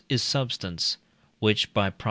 is substance, which (by Prop.